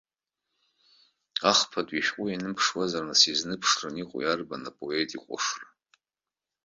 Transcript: Ахԥатәи ишәҟәы ианымԥшуазар, нас изныԥшраны иҟоу иарбан апеот иҟәышра.